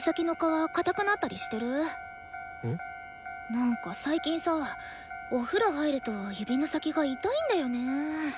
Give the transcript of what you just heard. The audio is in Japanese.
なんか最近さお風呂入ると指の先が痛いんだよね。